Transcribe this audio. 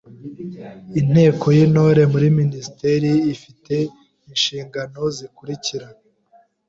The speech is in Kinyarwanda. Inteko y’Intore muri Minisiteri ifi te inshingano zikurikira: